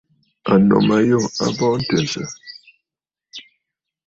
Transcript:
Ànnù ma yû a bɔɔ ntɨ̀nsə̀.